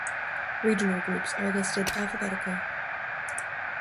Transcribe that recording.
Regional groups are listed alphabetically.